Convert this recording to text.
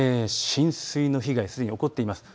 浸水の被害すでに起こっています。